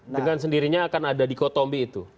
dengan sendirinya akan ada di kotombi itu